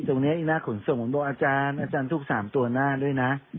ตรงนี้อีน่าขนส่งผมบอกอาจารย์อาจารย์ทุก๓ตัวหน้าด้วยนะ